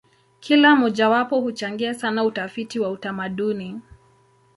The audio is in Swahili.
Kila mojawapo huchangia sana utafiti wa utamaduni.